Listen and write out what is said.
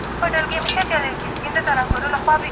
هغه مخکي لا د خپلو ډارونکو خبرو په واسطه وېره خپره کړې وه.